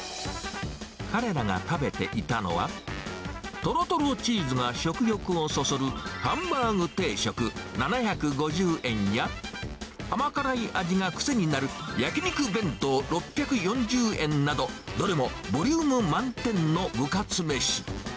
彼らが食べていたのは、とろとろチーズが食欲をそそるハンバーグ定食７５０円や、甘辛い味が癖になる焼き肉弁当６４０円など、どれもボリューム満点の部活めし。